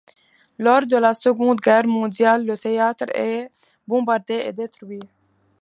Lors de la Seconde Guerre mondiale, le théâtre est bombardé et détruit.